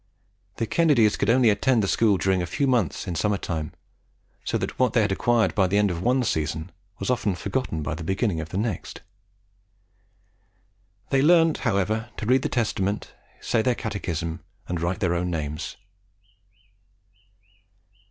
The Kennedys could only attend the school during a few months in summer time, so that what they had acquired by the end of one season was often forgotten by the beginning of the next. They learnt, however, to read the Testament, say their catechism, and write their own names.